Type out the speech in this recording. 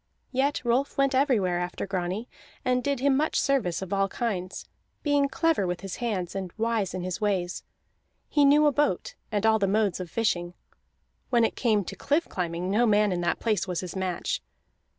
Yet Rolf went everywhere after Grani, and did him much service of all kinds, being clever with his hands and wise in his ways; he knew a boat and all the modes of fishing; when it came to cliff climbing, no man in that place was his match.